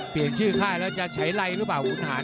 เปลี่ยนชื่อค่ายแล้วจะใช้ไรหรือเปล่าคุณหาน